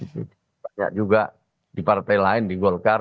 banyak juga di partai lain di golkar